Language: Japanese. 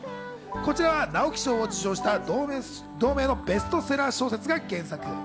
こちらは直木賞を受賞した同名のベストセラー小説が原作。